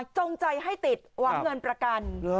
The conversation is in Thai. จงใจให้ติดหวังเงินประกัน